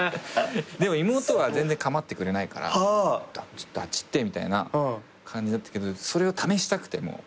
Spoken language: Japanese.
でも妹は全然構ってくれないから「ちょっとあっち行って」みたいな感じだったけどそれを試したくて。